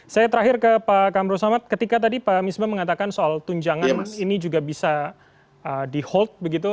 saya terakhir ke pak kamro samad ketika tadi pak misbah mengatakan soal tunjangan ini juga bisa di hold begitu